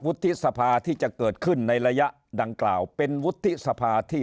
ทิศสภาที่จะเกิดขึ้นในระยะดังกล่าวเป็นวุฒิสภาที่